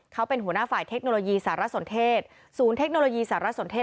เขาเป็นหัวหน้าฝ่ายเทคโนโลยีสารสนเทศศูนย์เทคโนโลยีสารสนเทศ